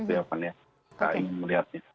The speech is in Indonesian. itu yang saya ingin melihat